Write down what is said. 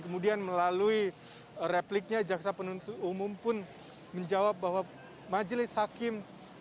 kemudian melalui repliknya jaksa penuntut umum pun menjawab bahwa majelis hakim